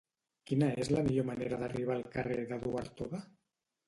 Quina és la millor manera d'arribar al carrer d'Eduard Toda?